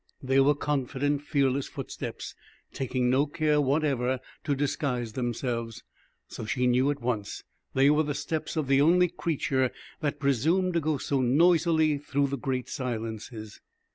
They were confident, fearless footsteps, taking no care whatever to disguise themselves, so she knew at once that they were the steps of the only creature that presumed to go so noisily through the great silences.